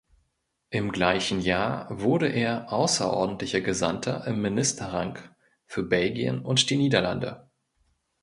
Im gleichen Jahr wurde er außerordentlicher Gesandter im Ministerrang für Belgien und die Niederlande.